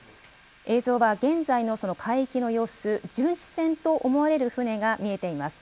映像は現在のその海域の様子、巡視船と思われる船が見えています。